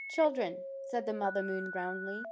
Children! " said the Mother Moon, roundly.